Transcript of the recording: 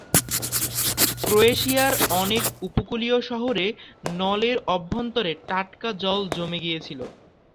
ক্রোয়েশিয়ার অনেক উপকূলীয় শহরে নলের অভ্যন্তরে টাটকা জল জমে গিয়েছিল।